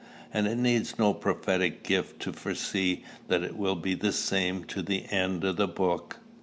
And it needs no prophetic gift to foresee that it will be the same to the end of the book.